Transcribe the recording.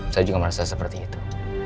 saya juga merasa seperti itu